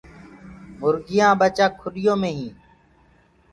موُرگيآ ڀچآ کُڏيو مي هينٚ۔